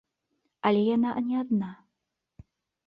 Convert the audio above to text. Але яна не адна.